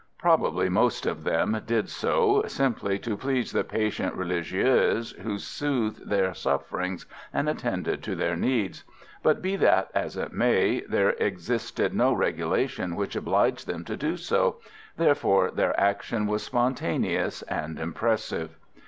Probably most of them did so simply to please the patient religieuse, who soothed their sufferings and attended to their needs; but, be that as it may, there existed no regulation which obliged them so to do, therefore their action was spontaneous and impressive.